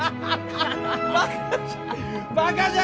バカじゃ。